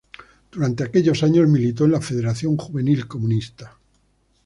Durante aquellos años, militó en la Federación Juvenil Comunista.